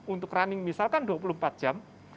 untuk running misalkan dua puluh empat jam